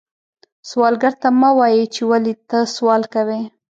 سوالګر ته مه وایې چې ولې ته سوال کوې